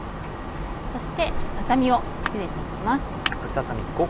そしてささ身をゆでて行きます。